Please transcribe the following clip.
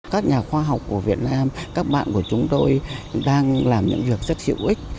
các nhà khoa học của việt nam các bạn của chúng tôi đang làm những việc rất hữu ích